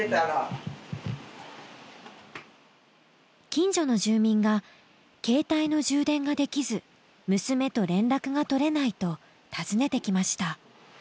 近所の住民が携帯の充電ができず娘と連絡が取れないと訪ねてきました。